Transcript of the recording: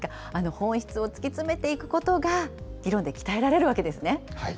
本質を突き詰めていくことが、議論で鍛えられるわけですね。